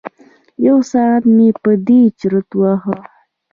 یو ساعت مې په دې چرت وهه.